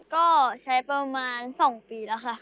ก็ใช้ประมาณ๒ปีแล้วค่ะ